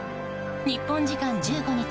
日本時間１５日